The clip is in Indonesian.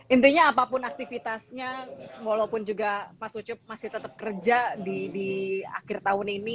intinya apapun aktivitasnya walaupun juga mas ucup masih tetap kerja di akhir tahun ini